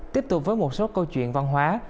tiếp tục với một số câu chuyện văn hóa